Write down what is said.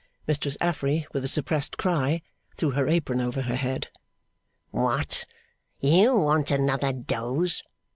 Mistress Affery, with a suppressed cry, threw her apron over her head. 'What? You want another dose!